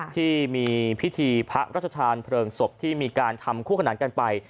ที่มีพิธีพระราชทานเพลิงศพที่มีการทำคู่ขนานกันไป